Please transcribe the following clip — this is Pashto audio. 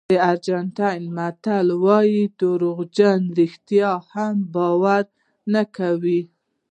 د ارجنټاین متل وایي دروغجن رښتیا هم باور نه کوي.